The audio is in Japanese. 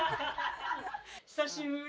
久しぶり。